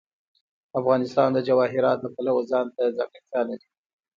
افغانستان د جواهرات د پلوه ځانته ځانګړتیا لري.